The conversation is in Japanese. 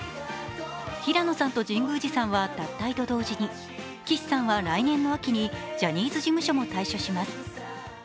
平野さんと神宮寺さんは脱退と同時に、岸さんは来年の秋にジャニーズ事務所も退所します。